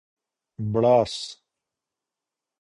بړاس